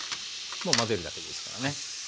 もう混ぜるだけでいいですからね。